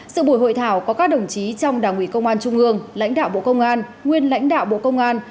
sự buổi hội thảo có các đồng chí trong đảng ủy công an trung ương lãnh đạo bộ công an nguyên lãnh đạo bộ công an